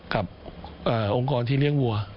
กับองค์กรที่เลี้ยงวัว